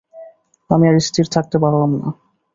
আমি আর স্থির থাকতে পারলাম না।